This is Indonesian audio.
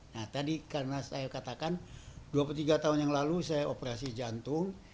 nah tadi karena saya katakan dua puluh tiga tahun yang lalu saya operasi jantung